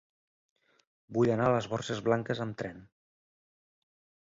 Vull anar a les Borges Blanques amb tren.